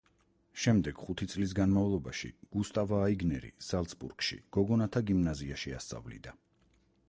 შემდეგ, ხუთი წლის განმავლობაში, გუსტავა აიგნერი ზალცბურგში, გოგონათა გიმნაზიაში ასწავლიდა.